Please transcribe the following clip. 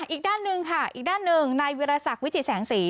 อีกด้านหนึ่งค่ะอีกด้านหนึ่งนายวิรสักวิจิตแสงสี